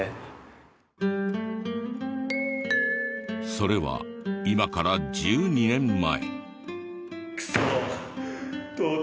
それは今から１２年前。